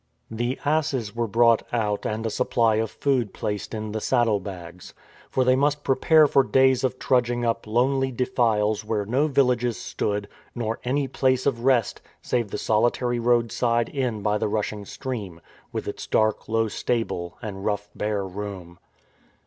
The asses were brought out and a supply of food placed in the saddle bags. For they must prepare for days of trudging up lonely defiles where no villages stood, nor any place of rest, save the solitary roadside inn by the rushing stream, with its dark low stable and rough bare room.